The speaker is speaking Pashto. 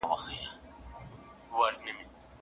په کتابتون کې ډېر پخواني کتابونه سته.